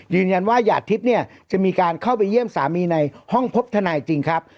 หยาดทิพย์เนี่ยจะมีการเข้าไปเยี่ยมสามีในห้องพบทนายจริงครับ